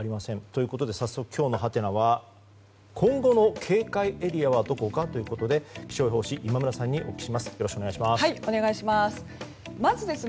ということで、今日のハテナは今後の警戒エリアはどこかということで気象予報士の今村さんにお聞きします。